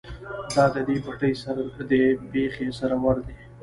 ـ دا دې پټي سر دى ،بېخ يې سورور دى.